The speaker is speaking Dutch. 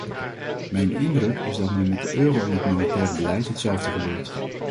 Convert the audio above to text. Mijn indruk is dat met de euro en het monetaire beleid hetzelfde gebeurt.